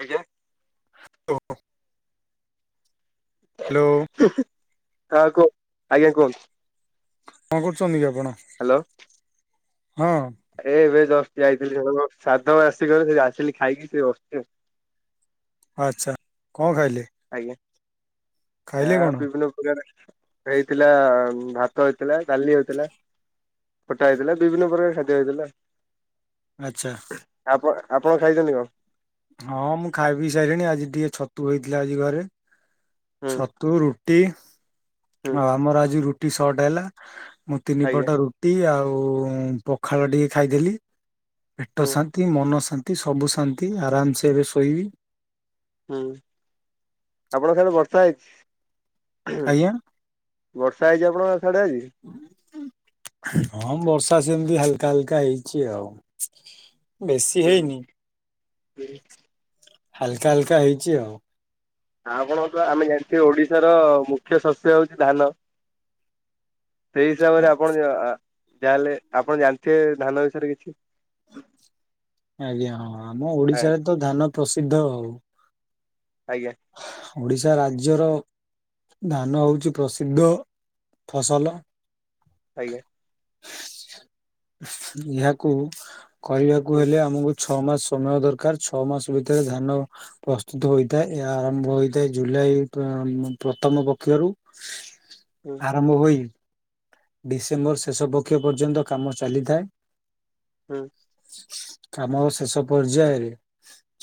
ଆଜ୍ଞା। [unintelligible] ହ୍ୟାଲୋ। [unintelligible] ଆଜ୍ଞା କୁହନ୍ତୁ। କଁ କରୁଛନ୍ତି କି ଆପଣ? ହଁ ଏଇ ଏବେ ଜଷ୍ଟ ଯାଇଥିଲି ଜଣଙ୍କ ଶ୍ରାଦ୍ଧବାର୍ଷିକ ଆସିଲି ଖାଇକି ଟିକେ ବସଛି ଆଉ। ଆଚ୍ଛା। କଁ ଖାଇଲେ? ଆ ଖାଇଲେ କଣ? ବିଭିନ୍ନ ପ୍ରକାର ହେଇଥିଲା ଭାତ ହେଇଥିଲା, ଡାଲି ହେଇଥିଲା, ଖଟା ହେଇଥିଲା, ବିଭିନ୍ନ ପ୍ରକାର ଖାଦ୍ୟ ହେଇଥିଲା। ଆଚ୍ଛା। ଆପଣ ଆପଣ ଖାଇଚନ୍ତି କଣ? ହଁ ମୁଁ ଖାଇ ପିଇ ସାରିଲିଣି ଆଜି ଟିକେ ଛତୁ ହେଇଥିଲା ଆଜି ଘରେ। ହୁଁ ଛତୁ ରୁ ଟି ହୁଁ ଆଉ ଆମର ଆଜି ରୁଟ ଟି ସର୍ଟ ହେଲା ମୁଁ ତିନି ଆଜ୍ଞା ପଟ ରୁଟି ଆଉ ଆଉ ପଖାଳ ଟିକେ ଖାଇଦେଲି। ପେଟ ହୁଁ ଶାନ୍ତି ମନ ଶାନ୍ତି। ନ୍ତି ସବୁ ଶାନ୍ତି ଆରାମସେ ଏବେ ଶୋଇବି। ହୁଁ ଆପଣ ସଠୁ ବର୍ଷା ହେଇଚି? ଆଜ୍ଞା। ବର୍ଷା ହେଇଚି ଆପଣ ସେଆଡେ ଆଜି। ହଁ ବର୍ଷା ସେମିତି ହାଲକା ହାଲକା ହେଇଚି ଆଉ। ବେଶୀ ହୁଁ ହେଇନି। [inaudible] ହୁଁ ହାଲକା ହାଲକା ହେଇଛି, ଆଉ। ଆଉ କଣ କଉଛ। ଆମେ ଜାଣିଛେ ଓଡିଶାର ମୁଖ୍ୟ ଶସ୍ୟ ହଉଛି ଧାନ। ସେଇ ହିସାବରେ ଆପଣ ଯ ଯାହାହେଲେ ଆପଣ ଜାଣିଥିବେ ଧାନ ବିଷୟରେ କିଛି। ଆଜ୍ଞା, ହଁ ଆମ ଓଡିଶାରେ ତ ଧାନ ପ୍ରସିଦ୍ଧ ହଉ। [inaudible] ଆଜ୍ଞା। ଓଡ଼ିଶା ରାଜ୍ୟର [inaudible] ଧାନ ହେଉଛି ପ୍ରସିଦ୍ଧ ଫସଲ। ଆଜ୍ଞା। [unintelligible] ହୁଁ ହେଲେ, ଆମକୁ। ଛଅ ମାସ ସମୟ ଦରକାର। ଛଅ ମାସ ଭିତରେ ଧାନ ପ୍ରସ୍ତୁତ ହୋଇଥାଏ। ଏହା ଆରମ୍ଭ ହୋଇଥାଏ, ଜୁଲାଇ ପ୍ରଥମ ପକ୍ଷରୁ। ହୁଁ ଆରମ୍ଭ ହୋଇ। ଡିସେମ୍ବର ଶେଷ ହୁଁ। କାମର ଶେଷ ପର୍ଯ୍ୟାୟରେ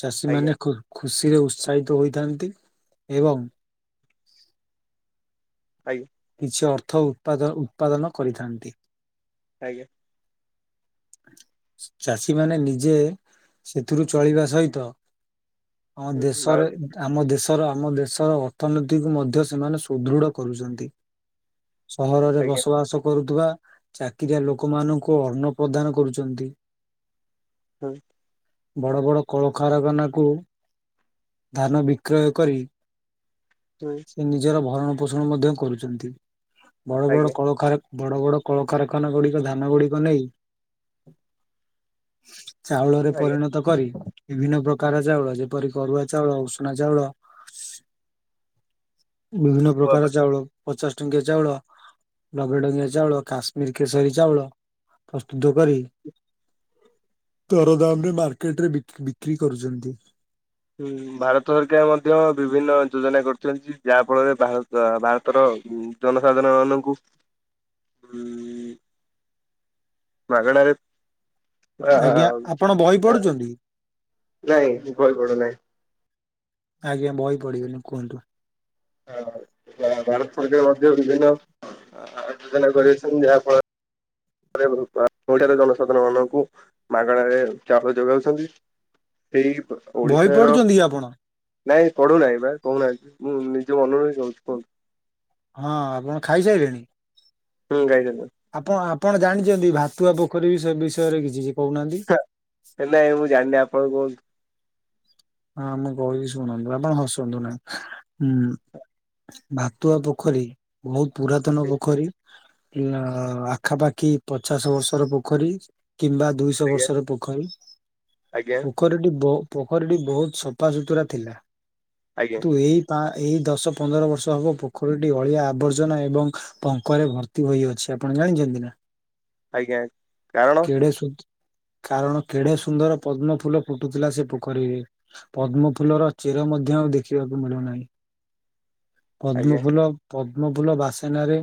ଚାଷୀ ଆଜ୍ଞା ମାନେ। ଖୁସିରେ ଉତ୍ସାହିତ ହୋଇଥାନ୍ତି। ଏବଂ ଆଜ୍ଞା। କିଛି ଅର୍ଥ ଉତ୍ପାଦନ କରିଥାନ୍ତି। ଆଜ୍ଞା। ଚାଷୀମାନେ ନିଜେ ସେଥିରୁ ଚଳିବା ସହିତ ଆମ ହୁଁ ଦେଶରେ, ଭାରତ ଆମ ଦେଶରେ ଆମ ଦେଶର ଅର୍ଥନୀତିକୁ ମଧ୍ୟ ସେମାନେ ସୁଦୃଢ କରୁଛନ୍ତି। ସହରରେ ଆଜ୍ଞା ବସବାସ କରୁ। ଥିବା ଚାକିରିଆ ଲୋକମାନଙ୍କୁ ଅନ୍ନ ପ୍ରଦାନ କରୁଛନ୍ତି। ହୁଁ। ବଡ ବଡ କଳକାରଖାନା କୁ ଧାନ ବିକ୍ରୟ କରି ହୁଁ ସେ ନିଜର ଭଲ ଭରଣ ପୋଷଣ ମଧ୍ୟ କରୁଛନ୍ତି। [inaudible] ବଡ ବଡ ଆଜ୍ଞା କଳକାରଖାନା। ବଡ ବଡ କଳକାରଖାନା ଗୁଡିକ। ଧାନ ଗୁଡିକ ନେଇ ଚାଉଳରେ ଆଜ୍ଞା ପରିଣତ କରି ବିଭିନ୍ନ ପ୍ରକାର, କାକରା ଚାଉଳ ଯେପରି, ଅରୁଆ ଚାଉଳ, ଉଷୁନା ଚାଉଳ। ବିଭିନ୍ନ କୁହନ୍ତୁ। ପ୍ରକାର ଚାଉଳ। ପଚାଶ ଟଙ୍କିଆ ଚାଉଳ, ଲବେ ଟଙ୍କିଆ ଚାଉଳ, କାଶ୍ମୀର କେଶରୀ ଚାଉଳ, ପ୍ରସ୍ତୁତ କରି ଦରଦାମ୍ ରେ ମାର୍କେଟ ରେ ବିକ୍ରି କରୁଛନ୍ତି। ହଁ ଭାରତ ସରକାର ମଧ୍ୟ ବିଭିନ୍ନ ଯୋଜନା କରିଛନ୍ତି। ଯାହା ଫଳରେ, ଭାରତର ଜନସାଧାରଣ ମାନଙ୍କୁ ହୁଁ। ମାାଗଣାରେ। ଆଜ୍ଞା [unintelligible] ଆପଣ ବହି ପଢୁଛନ୍ତି? ଆଜ୍ଞା, ବହି ପଢିବିନି କୁହନ୍ତୁ। ଭାରତ ସରକାର ମଧ୍ୟ ବିଭିନ୍ନ ଯୋଜନା କରିଛନ୍ତି। ଯାହାଫଳରେ ଓଡିଶାର ଜନସାଧାରଣ ମାନଙ୍କୁ ମାଗଣାରେ ଚାଉଳ ଯୋଗାଉଛନ୍ତି। ସେଇ ବହି ଓଡିଶାର। ପଢୁଛନ୍ତି କି ଆପଣ? ନାଇଁ ପଢୁନାହିଁ ବା କହୁନାହାନ୍ତି। ମୁଁ ନିଜ ମନରୁ ହିଁ କହୁଛି କୁହନ୍ତୁ। ହଁ ଆପଣ ଖାଇସାରିଲେଣି? ହୁଁ ଗାଇଦେଲି। ଆପଣା ଅପ ଆପଣ ଜାଣିଛନ୍ତି ଭାତୁଆ ପୋଖରୀ ବି ସେ ବିଷୟରେ କିଛି? କହୁନାହାନ୍ତି? ହେଲାନାଇ ମୁଁ ଜାଣିନି ଆପଣଙ୍କୁ କୁହନ୍ତୁ? ହଁ ଆମେ କି ଶୁଣନ୍ତୁ ଆପଣ ହସନ୍ତୁ ନାହିଁ। ଭାତୁଆ ପୋଖରୀ ବହୁତ ପୁରାତନ ପୋଖରୀ। ନାଆ ଆଖାପାଖି ପଚାଶ ବର୍ଷର ପୋଖରୀ। କିମ୍ବା ଦୁଇଶହ ଆଜ୍ଞା ବର୍ଷର ପୋଖରୀ। ଆଜ୍ଞା ପୋଖରୀଟି ବ ପୋଖରୀଟି ବହୁତ ସଫା ସୁୁତୁରା ଥିଲା। ଆଜ୍ଞା ତୁ ଏଇ ପା ଏଇ ଦଶ ପନ୍ଦର ବର୍ଷ ହବ ପୋଖରୀଟି ଅଳିଆ ଆବର୍ଜନା ଏବଂ ପଙ୍କରେ ଭର୍ତ୍ତି ହୋଇଅଛି ଆପଣ ଜାଣିଛନ୍ତି ନା? ଆଜ୍ଞା କାରଣ? କେଡେ ସୁ କାରଣ କେଢେ ସୁନ୍ଦର ପଦ୍ମ ଫୁଲ ଫୁଟୁଥିଲା ସେ ପୋଖରୀରେ। ପଦ୍ମଫୁଲର ଚେର ମଧ୍ୟ ଆଉ ଦେଖିବାକୁ ମିଳୁନାହିଁ। ଆଜ୍ଞା ପଦ୍ମଫୁଲ ପଦ୍ ଦମ ଫୁଲ ବାସେନାରେ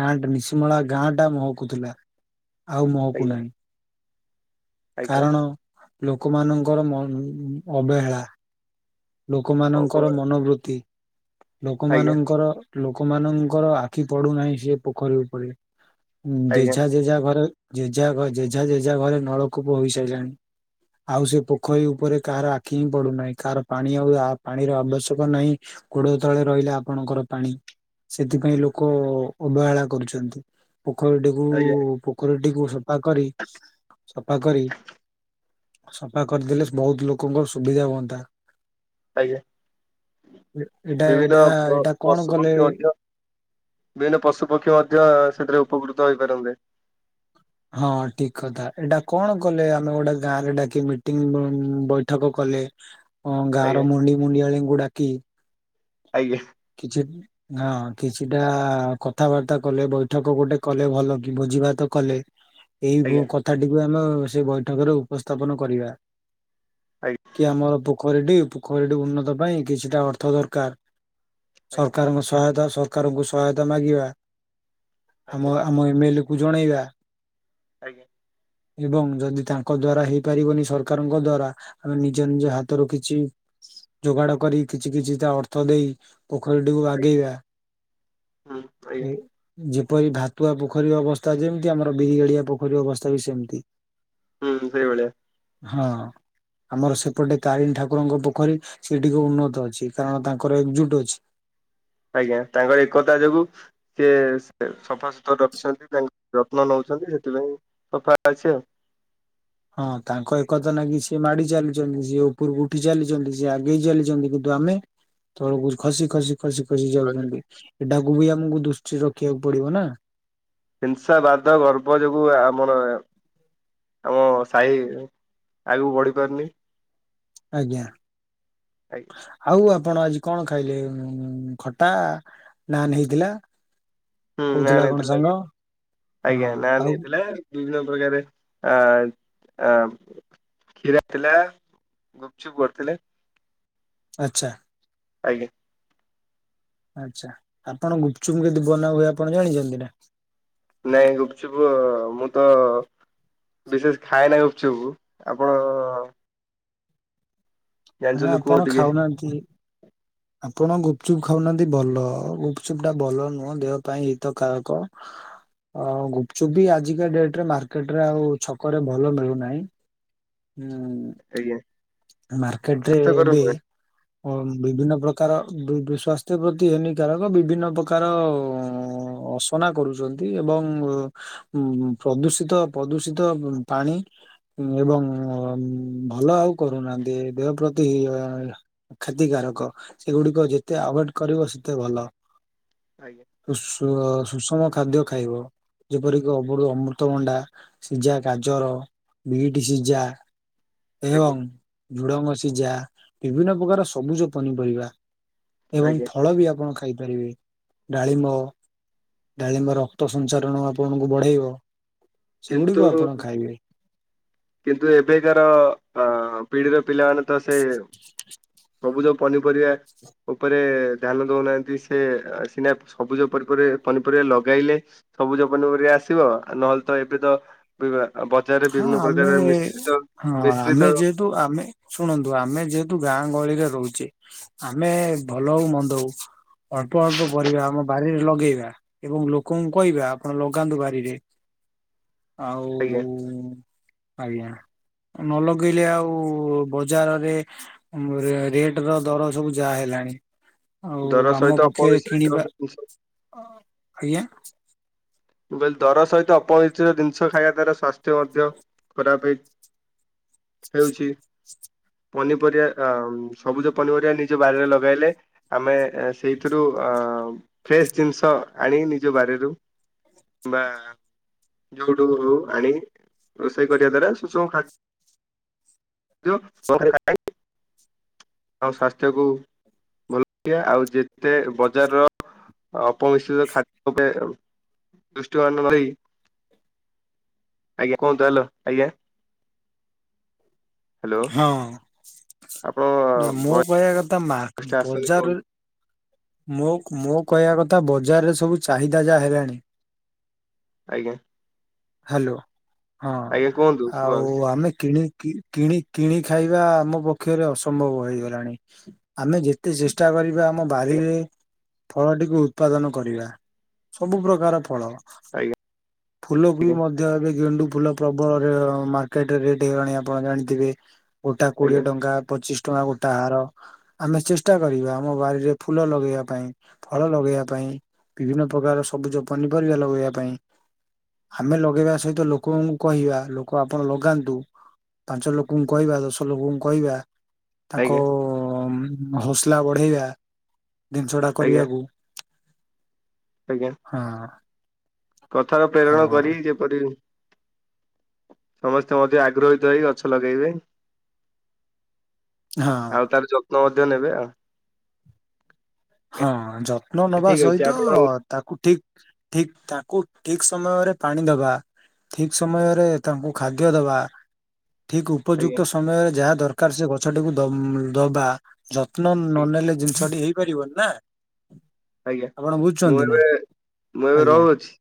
ଗାଁ ନିଶିମଳା ଗାଁ ଟା ମହକୁଥିଲା। ଆଉ ମୁହକୁ ଆଜ୍ଞା ନାହିଁ। ଆଜ୍ଞା କାରଣ? ଲୋକମାନଙ୍କର ମନନ ଅବେହେଳା ହଉ କୁହ। ଲୋକମାନଙ୍କର ମନୋବୃତ୍ତି ଆଜ୍ଞା ଲୋକମାନଙ୍କର ଲୋକମାନଙ୍କର ଆଖି ପଡୁନାହିଁ ସେ ପୋଖରୀ ଉପରେ ହୁଁ ଆଜ୍ଞା ଯେଝା ଯେଝା ଘରେ ଜେଜା ଜେଜା ଜେଜା ଘରେ ନଳକୂପ ହୋଇସାରିଲାଣି ଆଉ ସେ ପୋଖରୀ ଉପରେ କାହାର ଆଖି ହିଁ ପଡୁନାହିଁ କାହାର ପାଣି ଆଉ ପାଣିର ଆବଶ୍ୟକ ନାହିଁ ଗୋଡ ତଳେ ରହିଲା ଆପଣଙ୍କର ପାଣି ସେଥିପାଇଁ ଲୋକ ଓ ଅବହେଳା କରୁଛନ୍ତି। ପୋଖରୀଟିକୁ ଆଜ୍ଞା ପୋଖରୀ [inaudible] ସଫା କରି ସଫା କରି ସଫା କରିଦେଲେ ବହୁତ ଲୋକଙ୍କ ସୁବିଧା ହୁଅନ୍ତା। ଆଜ୍ଞା। ଏ- ଏଇଟା ବିଭିନ୍ନ ଏଇଟା ଏଇଟା କଣ ପଶୁ କଲେ ପକ୍ଷୀ ମଧ୍ୟ ବିଭିନ୍ନ ପଶୁ ପକ୍ଷୀ ମଧ୍ୟ ସେଥିରେ ଉପକୃତ ହେଇପାରନ୍ତେ। ହଁ ଠିକ କଥା ଏଇଟା କଣ କଲେ ଆମେ ଗୋଟେ ଗାଁରେ ଡାକି ମିଟିଂ ବୈଠକ କଲେ। ହଁ ଗାଁ ଆଜ୍ଞା ର ମୁଣ୍ଡି ମୁଣ୍ଡିଆଳି ଗୁଡା କିି। ଆଜ୍ଞା। କିଛି ହଁ କିଛିଟା କଥାବାର୍ତ୍ତା କଲେ ବୈଠକ ଗୋଟେ କଲେ ଭଲ କି ଭୋଜିଭାତ କଲେ। ଏଇ ଆଜ୍ଞା ବୁ ଆଜ୍ଞା କଥାଟିକୁ ଆ ଆମ ସେ ବୈଠକରେ ଉପସ୍ଥାପନ କରିବା। କି ଆମର ବୁ ପୋଖରୀଟି ପୋଖରୀଟି ଉନ୍ନତ ପାଇଁ କିଛିଟା ଅର୍ଥ ଦରକାର। ଆଜ୍ଞା ସରକାରଙ୍କ ସହାୟତା। ସରକାରଙ୍କୁ ସହାୟତା ମାଗିବା। ଆଜ୍ଞା ଆଜ୍ଞା ଆମ ଆମ ଏମ ଏଲ କୁ ଜଣେଇବା। ଆଜ୍ଞା। ଏବଂ ଯଦି ତାଙ୍କ ଦ୍ଵାରା ହେଇପାରିବନି ସରକାରଙ୍କ ଦ୍ଵାରା ଆମେ ନିଜ ନିଜ ହାତରୁ କିଛି ଯୋଗାଡ କରି କିଛି କିଛି ତା ଅର୍ଥ ଦେଇ। ପୋଖରୀ ଟି କୁ ବାଗେଇବା ହୁଁ ଆଜ୍ଞା ଝି କିପରି ଭାତୁଆ ପୋଖରୀ ଅବସ୍ଥା ଯେମିତି ଆମର ବିରିଗଳିଆ ପୋଖରୀ ଅବସ୍ଥା ବି ସେମିତି। ହୁଁ ସେଇ ଭଳିଆ। ହଁ ଆମର ସେପଟେ ତାରିଣୀ ଠାକୁରଙ୍କ ପୋଖରୀ ସେ ଟିକେ ଉନ୍ନତ ଅଛି କାରଣ ତାଙ୍କର ଏକଜୁଟ। ଅଛି। ଆଜ୍ଞା ତାଙ୍କର ଏକତା ଯୋଗୁ ସିଏ ସଫା ସୁତୁରା ରଖିଛନ୍ତି ତାଙ୍କର ଯତ୍ନ ନଉଛନ୍ତି ସେଥିପାଇଁ ସଫା ଅଛି ଆଉ। ହଁ ତାଙ୍କ ଏ କଥା ନା କିି ସେ ମାଡି ଚାଲିଛନ୍ତି ସିଏ ଉପରକୁ ଉଠି ଚାଲିଛନ୍ତି ସିଏ ଆଗେଇ ଚାଲିଛନ୍ତି କିନ୍ତୁ ଆମେ ତଳକୁ ଖସି ଖସି। ଖସି ଖସି ଆଉ। ଯାଉଛନ୍ତି ଏଟା ଆଗକୁ ବି ଆମକୁ ଦୃଷ୍ଟି ରଖିବାକୁ ପଡିବ ନା। ହିଂସା ବାଦ ଗର୍ବ ଯୋଗୁ ଆ ଆମର ଆମ ସାହି ଆଗକୁ ବଢି ପାରୁନି। ଆଜ୍ଞା। ଆଜ୍ଞା ଆଉ ଆ ଆପଣ ଆଜି କଣ ଖାଇଲେ ଖଟା ନାନ୍ ହେଇଥିଲା। ହୁଁ ନାନ କହୁଥିଲା କଣ ହେଇଥିଲା ସାଙ୍ଗ ଆଜ୍ଞା ହଁ ଆଜ୍ଞା ନାନ ଆଉ ହେଇଥିଲା ବିଭି ପ୍ରକାରେ ଆ ଆ କ୍ଷୀର ଥିଲା ଗୁପଚୁପ କରିଥିଲେ। ଆଚ୍ଛା। ଆଜ୍ଞା। ଆଚ୍ଛା ଆପଣ ଗୁପଚୁପ କେମିତି ବନା ହୁଏ ଆପଣ ଜାଣିଛନ୍ତି ନା। ନାଇଁ ଗୁପଚୁପ ମୁଁ ତ ବିଶେଷ ଖାଏ ନାହିଁ ଗୁପଚୁପୁ ଆପଣ ଅଁ ହାଁ ଆପଣ ଟିକେ ଖାଉନାହାନ୍ତି। ଆପଣ ଗୁପଚୁପ୍ ଖାଉନାହାନ୍ତି ଭଲ ଗୁପଚୁପ୍ ଟା ଭଲ ନୁହଁ ଦେହ ପାଇଁ ହିତକାରକ ଆଉ ଗୁପଚୁପ୍ ବି ଆଜିକା ଡେଟରେ ମାର୍କେଟ ରେ ଆଉ ଛକରେ ଭଲ ମିଳୁନାହିଁ। ଆଜ୍ଞା। ମାର୍କେଟ ରେ ସ୍ୱାସ୍ଥ୍ୟକର ଏବେ ନୁହେଁ ଅ ବିଭିନ୍ନ ପ୍ରକାର। କାର ବି ବ ସ୍ୱାସ୍ଥ୍ୟ ପ୍ରତି ହାନିକାରକ ବିଭିନ୍ନ ପ୍ରକାର ଅସନା କରୁଛନ୍ତି ଏବଂ ଉଁ ପ୍ରଦୂଷିତ ପ୍ରଦୂଷିତ ପାଣି ଏବଂ ଭଲ ଆଉ। କରୁନାହାନ୍ତି ଦେହ ପ୍ରତି ଅ କ୍ଷତିକାରକ ସେଗୁଡିକ ଯେତେ ଆଭୋଏଡ କରିବ ସେତେ ଭଲ। ଆଜ୍ଞା। ସୁଷମ ଖାଦ୍ୟ ଖାଇବ ଯେପରିକି ଅ ଅମୃତଭଣ୍ଡା ସିଝା ଗାଜର ବିଟ୍ ସିଝା ଆଜ୍ଞା ଏବଂ ଝୁଡ଼ଙ୍ଗ ସିଝା ବିଭିନ୍ନ ପ୍ରକାର ସବୁଜ ପନିପରିବା। ଏବଂ ଆଜ୍ଞା ଫଳ ବି ଆପଣ ଖା ଖାଇପାରିବେ ଡାଳିମ୍ବ ଡାଳିମ୍ବ ରକ୍ତସଞ୍ଚାରଣ ଆପଣଙ୍କୁ ବଢେଇବ। ସେଗୁଡିକ କିନ୍ତୁ ଆପଣ ଖାଇବେ। କିନ୍ତୁ ଏବେକାର ଅ ପିଢିରେ ପିଲାମାନେ ତ ସେ ସବୁଜ ପନିପରିବା ଉପରେ ଧ୍ୟାନ ଦଉନାହାନ୍ତି ସେ ସିନା ସବୁଜି ପନିପରିବା ଲଗାଇଲେ ସବୁଜ ପନିପରିବା ଆସିବ ନହେଲେ ତ ଏବେ ତ ବିବା ହଁ ଆମେ ହଁ ମିଶ୍ରିତ ଆମେ ଯେହେତୁ ଆମେ ଶୁଣନ୍ତୁ ଆମେ ଯେହେତୁ ଗାଁ ଗହଳିରେ ରହୁଛେ ଆମେ ଭଲ ହଉ ମନ୍ଦ ହଉ ଅଳ୍ପ ଅଳ୍ପ ପରିବା ଆମ ବାରିରେ ଲଗେଇବା ଏବଂ ଲୋକଙ୍କୁ କହିବା ଆପଣ ଲଗାନ୍ତୁ ବାରିରେ ଆଜ୍ଞା ଆଉ ଆଜ୍ଞା ନ ଲଗେଇଲେ ଆଉ ବଜାରରେ ରେଟ ର ଦର ସବୁ ଯାହା ହେଲାଣି। ଆଉ ଦର ଆମ ସହିତ ପକ୍ଷରେ ଅପମିଶ୍ରିତ କିଣିବା ଜିନିଷ ଆଜ୍ଞା ମୁ କହିଲି ଦର ସହିତ ଅପମିଶ୍ରିତ ଜିନିଷ ଖାଇବା ତାର ସ୍ୱାସ୍ଥ୍ୟ ମଧ୍ୟ ଖରାପ ହେଇ ହେଉଛି ପନିପରିବା ସବୁଜ ପନିପରିବା ନିଜ ବାରିରେ ଲଗାଇଲେ ଆମେ ସେଇଥିରୁ ଫ୍ରେଶ ଜିନିଷ ଆଣି ନିଜ ବାରିରୁ ବା ଯୋଉଠୁ ଆଣି ରୋଷେଇ କରିବା ଦ୍ଵାରା ସୁଷମ ଖା [unintelligible] ଆଉ ସ୍ୱାସ୍ଥ୍ୟକୁ ଆଉ ଯେତେ ବଜାରର ଅପମିଶ୍ରିତ ଖାଦ୍ୟପେୟ ଦୃଷ୍ଟିମାନ ଦେଇ ଆଜ୍ଞା କୁହନ୍ତୁ ହେଲୋ ଆଜ୍ଞା ହ୍ୟାଲୋ ହଁ ଆପଣ ନା ମୁଁ ଭଏସ କହିବା କଥା ମା ଟା ଆସୁନି ବଜାରରେ କୁହନ୍ତୁ ମୋ କହିବା କଥା ବଜାରରେ ସବୁ ଚାହିଦା ଯାହା ହେଲାଣି ଆଜ୍ଞା ହାଲୋ ହଁ ଆଜ୍ଞା କୁହନ୍ତୁ ଆଉ ଶୁଭାଯାଉଛି ଆମେ କିଣି କିଣି କିଣିକି ଖାଇବା ଆମପକ୍ଷରେ ଅସମ୍ଭବ ହୋଇଗଲାଣି ଆମେ ଯେତେ ଚେଷ୍ଟା କରିବା ଆ ଆମ ବାରିରେ ଫଳଟିକୁ ଉତ୍ପାଦନ କରିବା ସବୁ ପ୍ରକାର ଫଳ। ଆଜ୍ଞା ଫୁଲକୁ ବି ଆଜ୍ଞା ମଧ୍ୟ ଏବେ ଗେଣ୍ଡୁ ଫୁଲ ପ୍ରବଳରେ ମାର୍କେଟରେ ରେଟ୍ ହେଇଲାଣି ଆପଣ ଜାଣିଥିବେ। [unintelligible] ଗୋଟା କୋଡିଏ ଆଜ୍ଞା ଟଙ୍କା ପଚିଶ ଟଙ୍କା ଗୋଟା ହାର ଆମେ ଚେଷ୍ଟା କରିବା ଆମ ବାାରରେ ଫୁଲ ଲଗେଇବା ପାଇଁ ଫଳ ଲଗେଇବା ପାଇଁ ବିଭିନ୍ନ ପ୍ରକାର ସବୁଜ ପନିପରିବା ଲଗେଇବା ପାଇଁ ଆମେ ଲଗେଇବା ସହିତ ଲୋକଙ୍କୁ କହିବା ଲୋକ ଆପଣ ଲଗାନ୍ତୁ ପାଞ୍ଚ ଲୋକ ଲୋକଙ୍କୁ କହିବା ଦଶ ଲୋକଙ୍କୁ କହିବା। ତାଙ୍କ ଆଜ୍ଞା ଆଜ୍ଞା ଅ ଅ ହସଲା ବଢେଇବା। ଜିନିଷ ଟା ଆଜ୍ଞା କରିବାକୁ ଆଜ୍ଞା ହଁ। କଥାର ହଁ ପ୍ରେରଣ କରି ଯେପରି। ସମସ୍ତେ ମଧ୍ୟ ଆଗ୍ରହୀତ ହେଇ ଗଛ ଲଗେଇବେ। ହଁ ଆଉ ତାର ଯତ୍ନ ଅ ନ ନେବେ ଆଉ ହଁ ଯତ୍ନ ଏ ନବା ଠିକ ଅଛି ସହିତ, ଆପଣ ତାକୁ ଠିକ। ଠିକ ତାଙ୍କୁ ଠିକ ସମୟରେ ପାଣି ଦବା, ଠିକ ସମୟରେ ତାଙ୍କୁ ଖାଦ୍ୟ ଦବା ଠିକ୍ ଆଜ୍ଞା ଉପଯୁକ୍ତ ସମୟରେ ଯାହା ଦରକ କାର ସେ ଗଛଟିକୁ ଦ ଦବା ଯତ୍ନ ନନେଲେ ଜିନିଷଟି ଏଇ କରିବନି। ନା? ଆଜ୍ଞା ମୁଁ ବୁଝୁଛନ୍ତି ନା ଏବେ, ମୁଁ ଏବେ ଆଜ୍ଞା ରହୁଅଛି,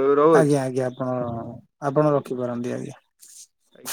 ମୁଁ ଏବେ ଆଜ୍ଞା ରହୁଅଛି। ଆଜ୍ଞା ଆପଣ ଆପଣ ରଖିପାରନ୍ତି ଆଜ୍ଞା। ଆଜ୍ଞା।